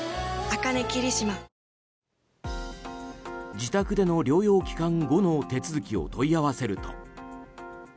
自宅での療養期間後の手続きを問い合わせると。